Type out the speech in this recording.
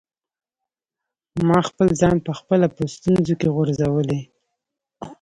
ما خپل ځان په خپله په ستونزو کي غورځولی.